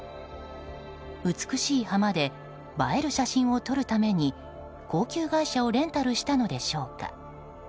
美しい浜で映える写真を撮るために高級外車をレンタルしたのでしょうか。